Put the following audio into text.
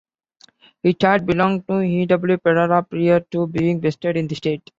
It had belonged to E. W. Perera prior to being vested in the state.